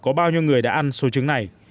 có bao nhiêu người đã ăn số trứng này